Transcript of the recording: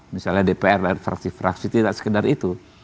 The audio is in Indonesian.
misalnya dpr dari fraksi fraksi tidak sekedar itu